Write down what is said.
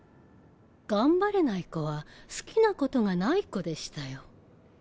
頑張れない子は好きなことがない子でしたよ。